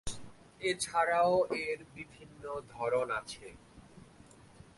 এছাড়াও এর বিভিন্ন ধরন আছে।